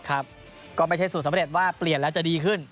ก็ไม่ใช่สูตรสำเร็จว่าเปลี่ยนแล้วจะดีขึ้น